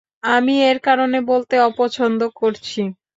আমি এর কারণ বলতে অপছন্দ করছি।